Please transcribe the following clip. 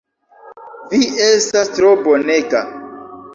Vi estas tro bonega!